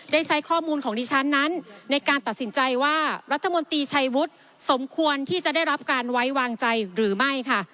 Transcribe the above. ได้ใช้ข้อมูลของดิฉันนั้นในการตัดสินใจว่ารัฐมนตรีชัยวุฒิสมควรที่จะได้รับการไว้วางใจหรือไม่ค่ะ